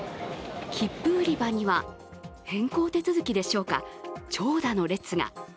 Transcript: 切符売り場には、変更手続きでしょうか、長蛇の列が。